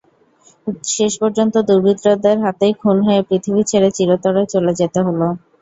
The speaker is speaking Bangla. শেষ পর্যন্ত দুর্বৃত্তদের হাতেই খুন হয়ে পৃথিবী ছেড়ে চিরতরে চলে যেতে হলো।